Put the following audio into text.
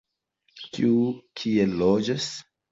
Kiu kie loĝas?